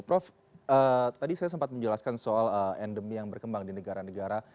prof tadi saya sempat menjelaskan soal endemi yang berkembang di negara negara